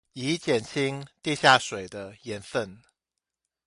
以減輕地下水的鹽分